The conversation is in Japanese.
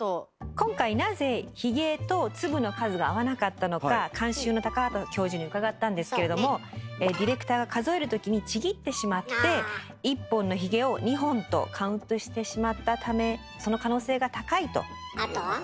今回なぜヒゲと粒の数が合わなかったのか監修の畑教授に伺ったんですけれどもディレクターが数えるときにちぎってしまって１本のヒゲを２本とカウントしてしまったためその可能性が高いと。